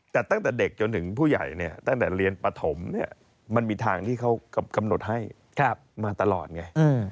แต่ตั้งแต่เด็กจนถึงผู้ใหญ่เนี่ยตั้งแต่เรียนปฐมมันมีทางที่เขากำหนดให้มาตลอดไง